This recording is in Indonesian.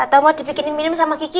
atau mau dibikinin minum sama gigi